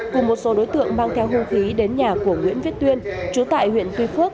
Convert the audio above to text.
cùng một số đối tượng mang theo hung khí đến nhà của nguyễn viết tuyên chú tại huyện tuy phước